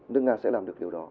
nước nga sẽ làm được điều đó